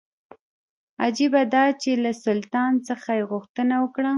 عجیبه دا چې له سلطان څخه یې غوښتنه وکړه.